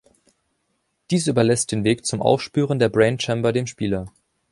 Dies überlässt den Weg zum Aufspüren der Brain Chamber dem Spieler.